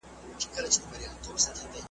زما قلا به نه وي ستا په زړه کي به آباد سمه ,